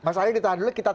mas arief ditahan dulu